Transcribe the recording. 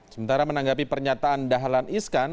sementara menanggapi pernyataan dahlan iskan